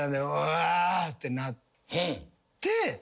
わってなって。